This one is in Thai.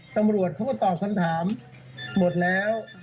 ตำรวจเขาก็ตอบคำถามหมดแล้ว